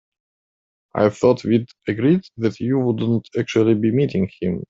I thought we'd agreed that you wouldn't actually be meeting him?